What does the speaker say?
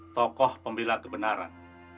tokoh pembela kebenaran